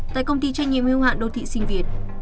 tại công ty trách nhiệm hưu hạn đô thị sinh việt